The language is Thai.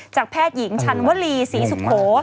แพทย์หญิงชันวลีศรีสุโข